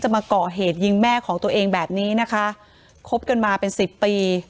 มาก่อเหตุยิงแม่ของตัวเองแบบนี้นะคะคบกันมาเป็นสิบปี